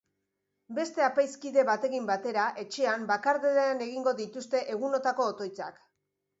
Beste apaiz kide batekin batera, etxean, bakardadean egingo dituzte egunotako otoitzak.